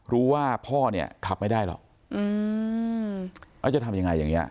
รู้ว่าพ่อเนี่ยขับไม่ได้หรอกแล้วจะทำยังไงอย่างเงี้